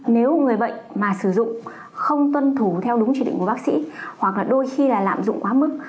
nếu người bệnh mà sử dụng không tuân thủ theo đúng chỉ định của bác sĩ hoặc là đôi khi là lạm dụng quá mức